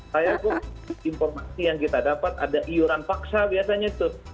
saya tuh informasi yang kita dapat ada iuran paksa biasanya tuh